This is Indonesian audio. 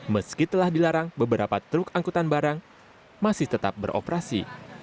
meski telah dilarang beberapa truk angkutan barang masih tetap beroperasi